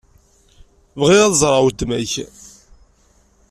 Bɣiɣ ad ẓreɣ weltma-k.